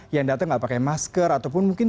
yang datang nggak pakai masker ataupun mungkin